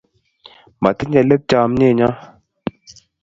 Matinye let chomyet nyoo